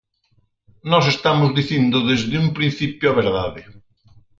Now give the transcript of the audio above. Nós estamos dicindo desde un principio a verdade.